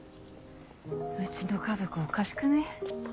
うちの家族おかしくね？